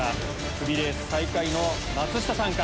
クビレース最下位の松下さんか？